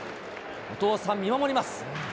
お父さん、見守ります。